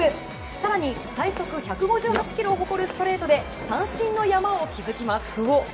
更に、最速１５８キロを誇るストレートで三振の山を築きます。